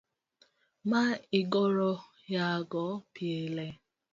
ma igoyorago pile